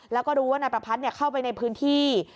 แล้วก็รู้ว่านายประพัทธเข้าไปในพื้นที่